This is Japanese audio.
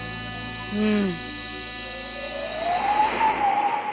うん。